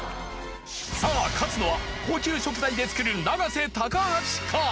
さぁ勝つのは高級食材で作る永瀬橋か？